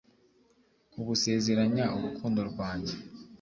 kugusezeranya urukundo rwanjye